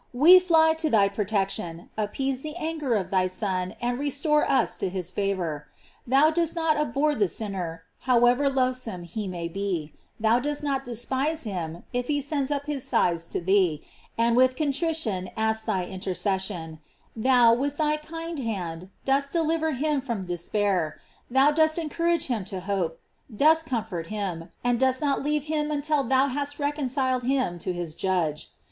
We fly to thy protec tion; appease the anger of thy Son, and restore us to his favor. Thou dost not abhor the sin ner, however loathsome he may be; thou dost not despise him, if he sends up his sighs to thee, and with contrition asks thy intercession; thou, with thy kind hand, dost deliver him from d* 324 GLORIES OF MART. spair; thou dost encourage him to hope, dost com fort him, and dost not leave him until thou hast reconciled him to his Judge.